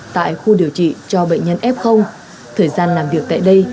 tại khu điều trị cho bệnh nhân f thời gian làm việc tại đây